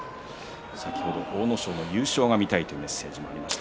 阿武咲の優勝が見たいというメッセージもありました。